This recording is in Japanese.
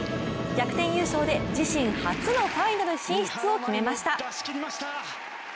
逆転優勝で、自身初のファイナル進出を決めました。